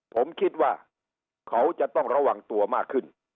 ผมคิดว่าเขาจะต้องระวังตัวมากขึ้น